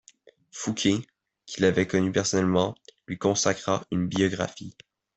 Fouqué, qui l'avait connu personnellement, lui consacra une biographie.